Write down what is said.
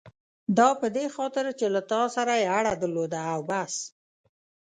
دا په دې خاطر چې له تا سره یې اړه درلوده او بس.